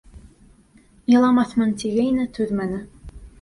Иламаҫмын, тигәйне, түҙмәне.